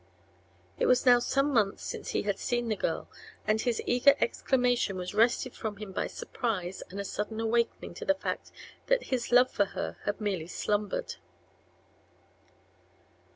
It was now some months since he had seen the girl, and his eager exclamation was wrested from him by surprise and a sudden awakening to the fact that his love for her had merely slumbered.